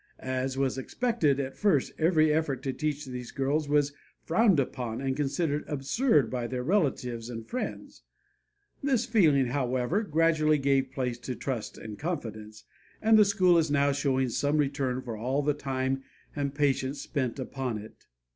As was expected, at first every effort to teach these girls was frowned upon and considered absurd by their relatives and friends. This feeling, however, gradually gave place to trust and confidence, and the school is now showing some return for all the time and patience spent upon it.